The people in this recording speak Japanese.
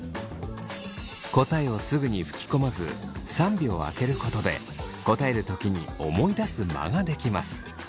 答えをすぐに吹き込まず３秒空けることで答える時に思い出す間が出来ます。